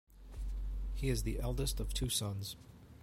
He is the eldest of two sons.